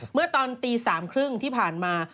เมื่อตอนตีสามครึ่งที่ผ่านมา